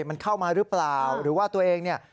มันเข้ามาหรือเปล่าหรือว่าตัวเองเนี่ย